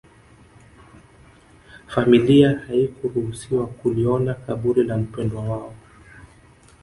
familia haikuruhusiwa kuliona kaburi la mpwendwa wao